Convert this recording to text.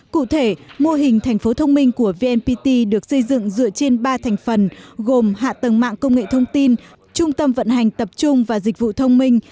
cụ thể mô hình thành phố thông minh của vnpt được xây dựng dựa trên ba thành phần gồm hạ tầng mạng công nghệ thông tin trung tâm vận hành tập trung và dịch vụ thông minh